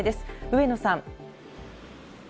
上野さん。